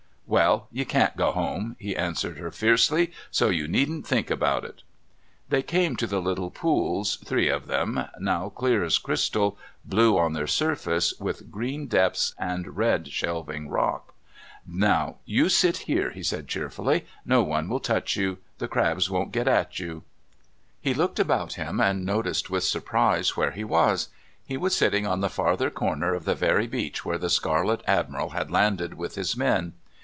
"Well, you can't go home," he answered her fiercely. "So you needn't think about it." They came to the little pools, three of them, now clear as crystal, blue on their surface, with green depths and red shelving rock. "Now you sit there," he said cheerfully. "No one will touch you. The crabs won't get at you." He looked about him and noticed with surprise where he was. He was sitting on the farther corner of the very beach where the Scarlet Admiral had landed with his men.